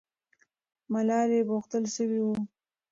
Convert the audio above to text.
ملالۍ پوښتل سوې وه.